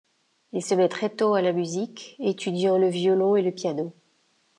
Il se met très tôt à la musique, étudiant le violon et le piano.